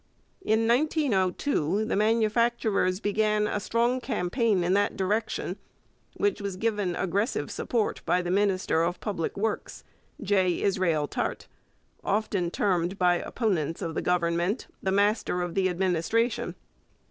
In 1902 the manufacturers began a strong campaign in that direction, which was given aggressive support by the minister of Public Works, J. Israel Tarte, often termed by opponents of the Government the 'Master of the Administration.'